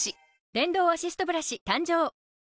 電動アシストブラシ誕生